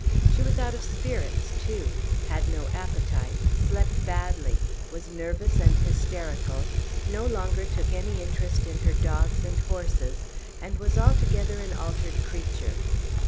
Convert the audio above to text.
She was out of spirits too, had no appetite, slept badly, was nervous and hysterical, no longer took any interest in her dogs and horses, and was altogether an altered creature.